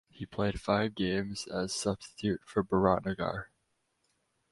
He played five games as substitute for Biratnagar.